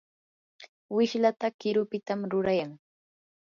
wishlata qirupitam rurayan.